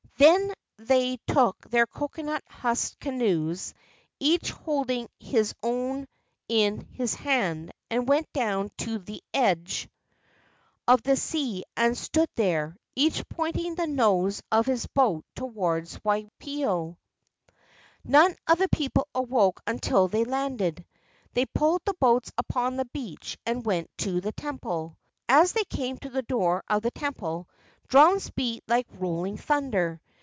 Then they took their coconut husk canoes, each holding his own in his hand, and went down to the edge 220 LEGENDS OF GHOSTS of the sea and stood there, each pointing the nose of his boat toward Waipio. None of the people awoke until they landed. They pulled the boats upon the beach and went to their temple. As they came to the door of the temple, drums beat like rolling thunder.